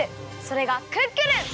それがクックルン！